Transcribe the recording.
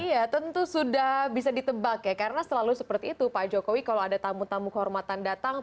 iya tentu sudah bisa ditebak ya karena selalu seperti itu pak jokowi kalau ada tamu tamu kehormatan datang